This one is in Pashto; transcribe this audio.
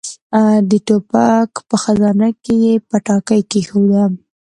د ټوپک په خزانه کې يې پټاکۍ کېښوده.